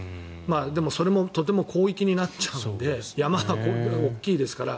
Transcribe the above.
でも、それもとても広域になっちゃうので山は大きいですから。